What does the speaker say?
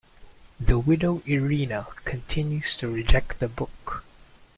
The widow Irina continues to reject the book.